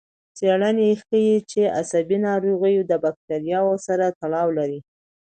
څېړنه ښيي چې عصبي ناروغۍ د بکتریاوو سره تړاو لري.